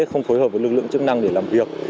không phối hợp với lực lượng chức năng để làm việc